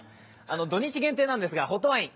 土日限定なんですが、ホットワイン